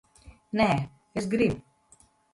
Nē, es gribu.